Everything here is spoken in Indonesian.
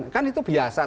kan itu biasa